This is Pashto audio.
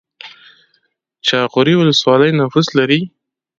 جاغوری ولسوالۍ نفوس لري؟